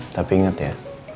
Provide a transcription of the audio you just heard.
tapi inget ya